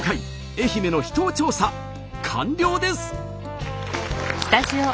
愛媛の秘湯調査完了です！